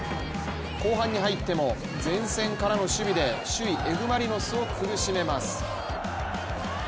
後半に入っても前線からの守備で首位・Ｆ・マリノスを苦しめます。